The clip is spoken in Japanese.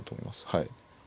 はい。